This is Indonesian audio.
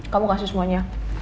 kamu kasih semuanya